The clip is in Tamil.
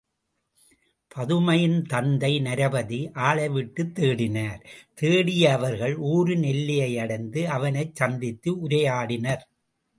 பதுமையின் தந்தை நரபதி ஆளைவிட்டுத் தேடினார் தேடிய அவர்கள் ஊரின் எல்லையை அடைந்து அவனைச் சந்தித்து உரையாடினர்.